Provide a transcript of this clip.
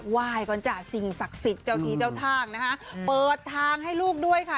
ยก่อนจ้ะสิ่งศักดิ์สิทธิ์เจ้าทีเจ้าทางนะคะเปิดทางให้ลูกด้วยค่ะ